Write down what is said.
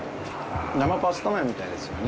生パスタ麺みたいですよね。